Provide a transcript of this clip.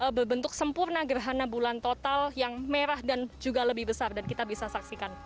ini berbentuk sempurna gerhana bulan total yang merah dan juga lebih besar dan kita bisa saksikan